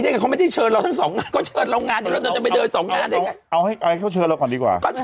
เอาให้เขาเชิญเราก่อนดีกว่า